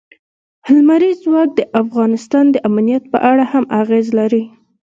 لمریز ځواک د افغانستان د امنیت په اړه هم اغېز لري.